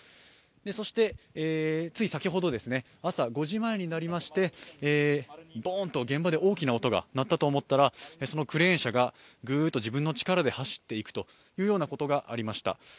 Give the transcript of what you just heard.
そしてつい先ほど、朝５時前になりましてボーンと現場で大きな音が鳴ったと思ったらそのクレーン車がグーッと自分の力で走っていくというようなことがありました。